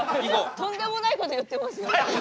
とんでもないこと言ってますよ。